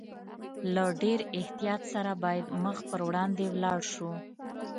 له ډېر احتیاط سره باید مخ پر وړاندې ولاړ شو.